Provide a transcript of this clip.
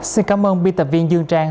xin cảm ơn biên tập viên dương trang